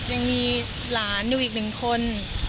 ยังมีหลานอยู่อีกหนึ่งคน